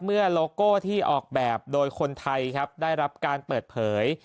โลโก้ที่ออกแบบโดยคนไทยครับได้รับการเปิดเผย